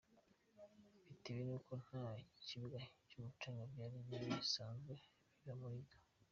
Bitewe n’uko nta bibuga by’umucanga byari bisanzwe biba muri G.